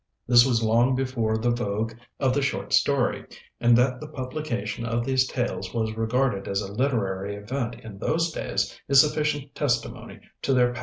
This was long before the vogue of the short story, and that the publication of these tales was regarded as a literary event in those days is sufficient testimony to their power.